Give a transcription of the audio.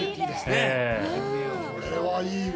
これはいいわ。